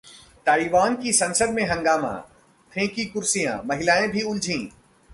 Taiwan की संसद में हंगामा, फेंकी कुर्सियां, महिलाएं भी उलझीं